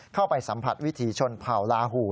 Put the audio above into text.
เข้าไปสัมผัสวิถีชนเผ่าลาหู